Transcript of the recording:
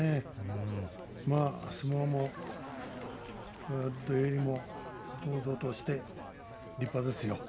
相撲も土俵入りも堂々として立派ですよ。